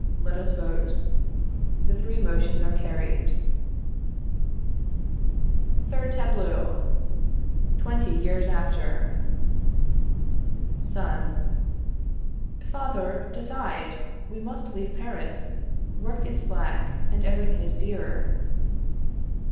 Let us vote. [The three motions are carried.] THIRD TABLEAU. Twenty Years After. Son. Father, decide; we must leave Paris. Work is slack, and everything is dear.